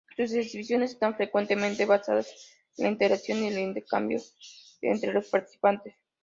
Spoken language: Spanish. Sus exhibiciones están frecuentemente basadas en la interacción y el intercambio entre los participantes.